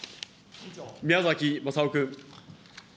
宮崎雅夫君。